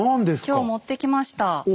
今日持ってきました。